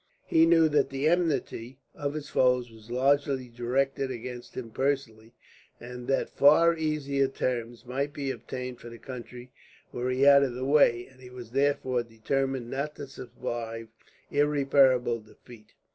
He knew that the enmity of his foes was largely directed against him personally, and that far easier terms might be obtained for the country were he out of the way; and he was therefore determined not to survive irreparable defeat.